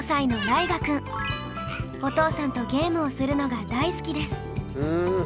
お父さんとゲームをするのが大好きです。